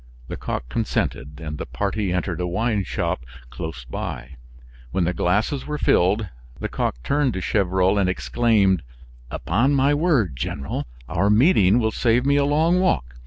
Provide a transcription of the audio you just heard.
Lecoq consented, and the party entered a wine shop close by. When the glasses were filled, Lecoq turned to Gevrol and exclaimed: "Upon my word, General, our meeting will save me a long walk.